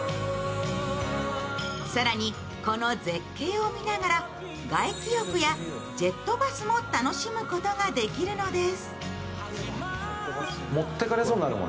更に、この絶景を見ながら外気浴やジェットバスも楽しむことができるのです。